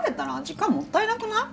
時間もったいなくない？